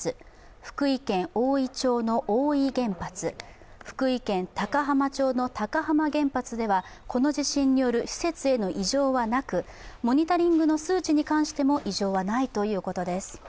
福井県大飯町の大飯原発、福井県高浜町の高浜原発ではこの地震による施設への異常はなく、モニタリングの数値に関しても異常はないということです。